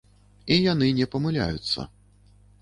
І яны не памыляюцца.